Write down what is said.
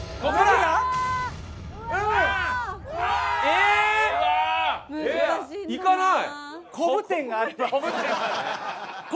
えーっ！いかない？